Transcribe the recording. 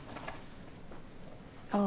ああ。